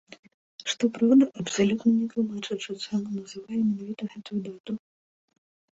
Што праўда, абсалютна не тлумачачы, чаму называе менавіта гэтую дату.